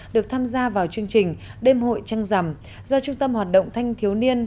được tham gia vào chương trình đêm hội trăng rằm do trung tâm hoạt động thanh thiếu niên